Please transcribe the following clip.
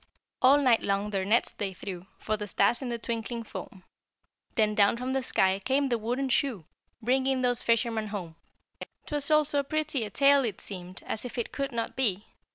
All night long their nets they threw For the stars in the twinkling foam; Then down from the sky came the wooden shoe, Bringing those fishermen home. 'Twas all so pretty a tale, it seemed As if it could not be.